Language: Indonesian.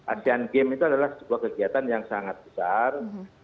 aksi game itu adalah sebuah kegiatan yang sangat besar